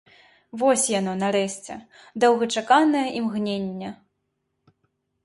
Вось яно, нарэшце, доўгачаканае імгненне!